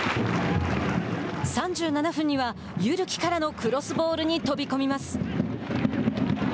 ３７分には汰木からのクロスボールに飛び込みます。